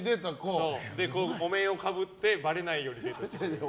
お面をかぶってばれないようにデートしてくれる。